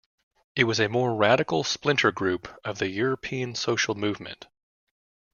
It was a more radical splinter group of the European Social Movement.